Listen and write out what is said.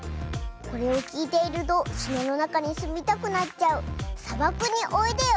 これをきいているとすなのなかにすみたくなっちゃう「さばくにおいでよ」！